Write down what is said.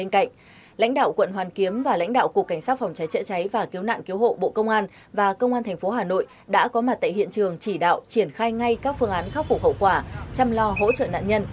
nhận được tin báo trung tâm thông tin chỉ huy công an phòng cháy chữa cháy và cứu nạn cứu hộ công an quận ba đình